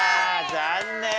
残念。